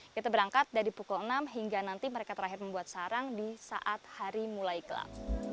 kita berangkat dari pukul enam hingga nanti mereka terakhir membuat sarang di saat hari mulai gelap